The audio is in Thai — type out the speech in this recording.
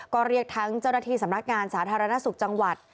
ก็เรียกทั้งเจ้าหน้าที่สำนักงานสาธารณสุขจังหวัด